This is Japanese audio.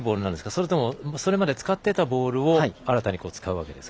それとも、それまで使っていたボールを新たに使うわけですか？